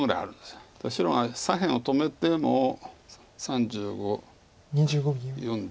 白が左辺を止めても３５４０。